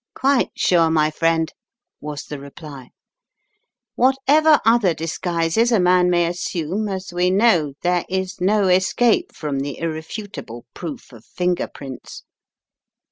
"Quite sure, my friend," was the reply. "What ever other disguises a man may assume, as we know, there is no escape from the irrefutable proof of finger prints.